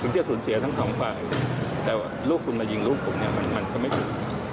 ถึงที่จะสูญเสียทั้ง๒ปล่อยแต่ว่าลูกคุณมายิงลูกผมเนี่ยมันก็ไม่ถึง